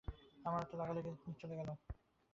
আমার কাছে লাগালাগি করে হাসতে হাসতে বকশিশ নিয়ে চলে গেল।